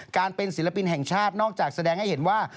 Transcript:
การเป็นศิลปินแห่งชาตินอกจากแสดงให้เห็นว่า